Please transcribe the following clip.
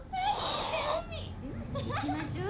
うん行きましょう。